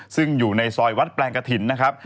ซึ่งอยู่ในซอยวัดแปลงกะถิ่น